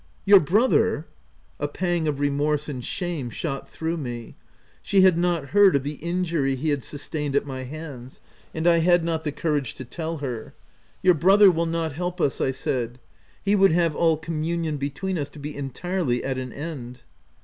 "Your brother !" A pang of remorse and shame shot through me. She had not heard of the injury he had sustained at my hands ; and I had not the courage to tell her. " Your brother will not help us," I said :'' he would have all communion between us to be entirely at an end."